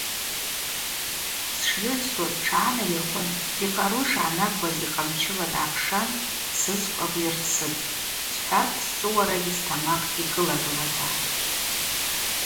Сшйыгӏвсуаз тшгӏанайыркъвын, йкъару йшгӏанагуаз йкъамчыла дгӏакшан сызкв агвйырцытӏ, – схӏватӏ счӏвыуарагьи стамакъ йкӏылагылата.